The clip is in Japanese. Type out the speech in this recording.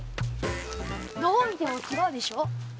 どう見てもちがうでしょ。